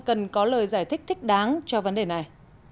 cần có lời giải thích thích đáng cho vấn đề này